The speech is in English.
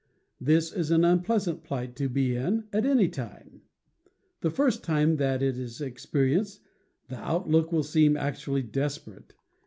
This is an un pleasant plight to be in, at any time; the first time that it is experienced the outlook will seem actually des perate.